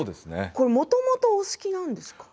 もともとお好きなんですか？